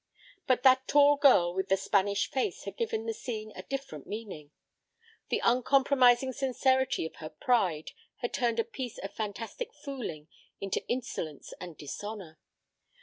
But that tall girl with the Spanish face had given the scene a different meaning. The uncompromising sincerity of her pride had turned a piece of fantastic fooling into insolence and dishonor.